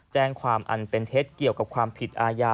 แจ้งความอันเป็นเท็จเกี่ยวกับความผิดอาญา